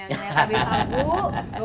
ngeliat habib abu